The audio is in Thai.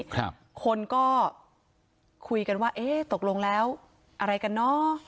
ครับคนก็คุยกันว่าเอ๊ะตกลงแล้วอะไรกันเนอะ